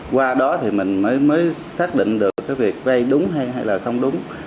qua đó thì mình mới xác định được việc vay đúng hay không đúng